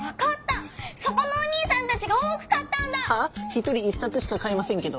１人１さつしかかえませんけど。